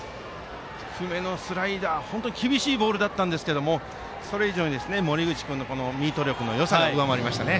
低めのスライダー厳しいボールでしたがそれ以上に森口君のミート力のよさが上回りましたね。